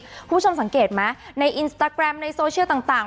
คุณผู้ชมสังเกตไหมในอินสตาแกรมในโซเชียลต่าง